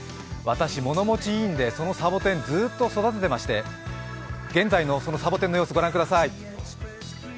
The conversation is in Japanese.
私、物持ちいいので、そのサボテンをずっと育てていまして現在のそのサボテンの様子、御覧ください。